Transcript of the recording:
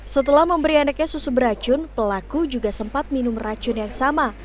setelah memberi anaknya susu beracun pelaku juga sempat minum racun yang sama